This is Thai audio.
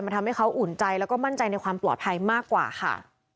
ทำให้เขาอุ่นใจแล้วก็มั่นใจในความปลอดภัยมากกว่าค่ะ